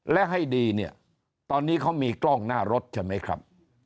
และให้ดีเนี่ยตอนนี้เขามีกล้องหน้ารถใช่ไหมครับ